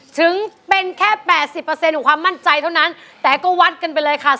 ถึงเป็นแค่๘๐ของความมั่นใจเท่านั้นแต่ก็วัดกันไปเลยค่ะ